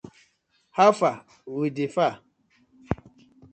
How far wit di far?